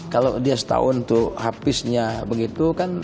kalau dia setahun tuh habisnya begitu kan